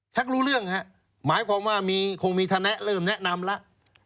รู้เรื่องฮะหมายความว่าคงมีธนะเริ่มแนะนำแล้ว